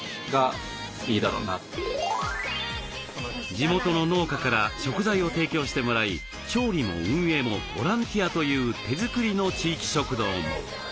地元の農家から食材を提供してもらい調理も運営もボランティアという手作りの地域食堂も。